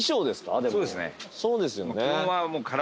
そうですよね。